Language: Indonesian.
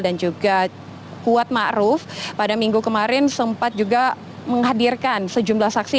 dan juga kuat ma'ruf pada minggu kemarin sempat juga menghadirkan sejumlah saksi